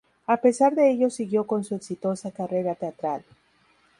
A pesar de ello siguió con su exitosa carrera teatral.